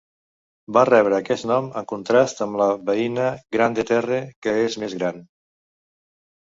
Van rebre aquest nom en contrast amb la veïna Grande-Terre que és més gran.